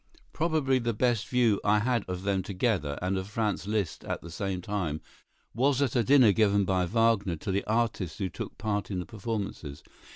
Probably the best view I had of them together, and of Franz Liszt at the same time, was at a dinner given by Wagner to the artists who took part in the performances.